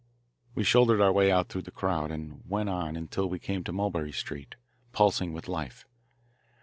We shouldered our way out through the crowd and went on until we came to Mulberry Street, pulsing with life.